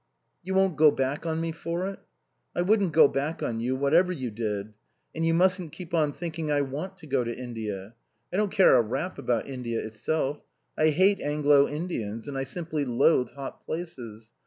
"You won't go back on me for it?" "I wouldn't go back on you whatever you did. And you mustn't keep on thinking I want to go to India. I don't care a rap about India itself. I hate Anglo Indians and I simply loathe hot places.